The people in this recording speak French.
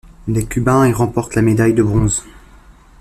Les Cubains y remportent la médaille de bronze.